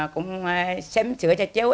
cũng sếm sửa cho cháu